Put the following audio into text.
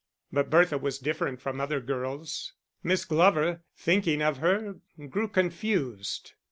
But Bertha was different from other girls; Miss Glover, thinking of her, grew confused.